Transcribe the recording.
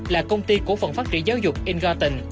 là công ty cổ phần phát triển giáo dục ingarten